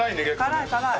辛い辛い。